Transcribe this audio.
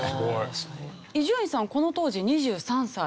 伊集院さんはこの当時２３歳。